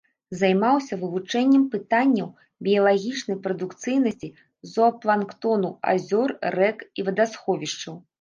Займаўся вывучэннем пытанняў біялагічнай прадукцыйнасці зоапланктону азёр, рэк і вадасховішчаў.